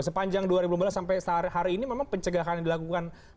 sepanjang dua ribu lima belas sampai hari ini memang pencegahan yang dilakukan